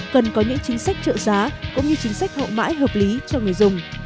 cần có những chính sách trợ giá cũng như chính sách hậu mãi hợp lý cho người dùng